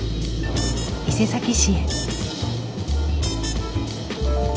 伊勢崎市へ。